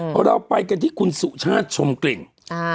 พอเราไปกันที่คุณสุชาชมกลิ่นอ่า